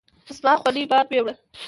زما حولی باد ويوړه